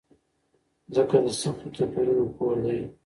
ځمکه د سختو توپيرونو کور دی.